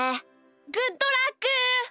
グッドラック！